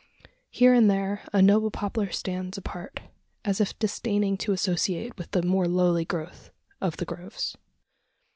Here and there, a noble poplar stands apart as if disdaining to associate with the more lowly growth of the groves.